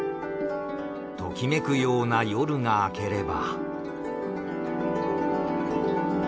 ときめくような夜が明ければ。